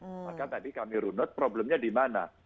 maka tadi kami runut problemnya di mana